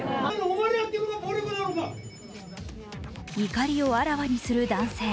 怒りをあらわにする男性。